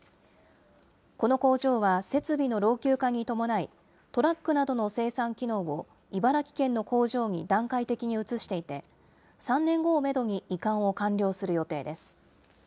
この工場は設備の老朽化に伴い、トラックなどの生産機能を茨城県の工場に段階的に移していて、３年後をメドに移管を完了する予定です。